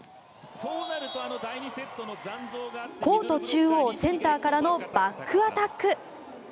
コート中央、センターからのバックアタック。